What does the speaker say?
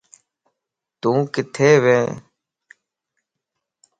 تون ڪٿي وي